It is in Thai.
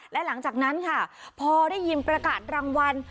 และหลังจากนั้นค่ะพอได้ยินประกาศรางวัล